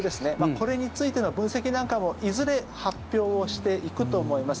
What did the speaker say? これについての分析なんかもいずれ発表をしていくと思います。